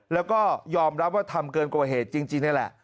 แล้วก็ยอมรับว่าทำเกินกว่าเหตุจริงนี่แหละ